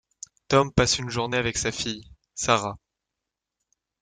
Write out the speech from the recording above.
Tom passe une journée avec sa fille, Sarah...